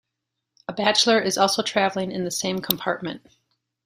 A bachelor is also travelling in the same compartment.